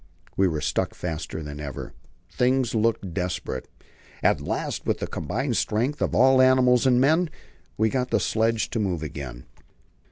We were stuck faster than ever. Things looked desperate. At last, with the combined strength of all the animals and men, we got the sledge to move again.